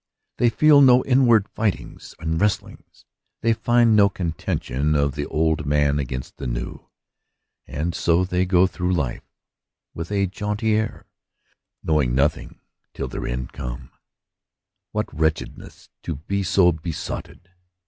They feel no inward fightings and wrestlings ; they find no contention of the old man against the new ; and so they go through life with a jaunty air, knowing nothing till their end come. What wretchedness to be so besotted